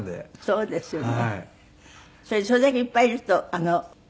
そうですよね。